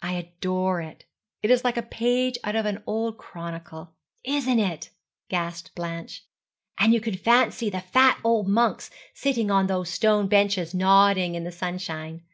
'I adore it. It is like a page out of an old chronicle.' 'Isn't it?' gasped Blanche; 'and you can fancy the fat old monks sitting on those stone benches, nodding in the sunshine.